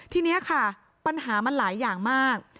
ทีนี้ค่ะปัญหามันหลายอย่างมาก